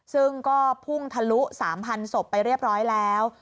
ซึ่งก็พุ่งทะลุ๓๐๐ศพไปเรียบร้อยแล้ว